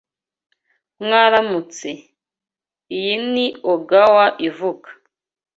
Mwaramutse. Iyi ni Ogawa ivuga.